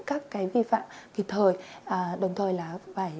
các vi phạm kịp thời đồng thời là phải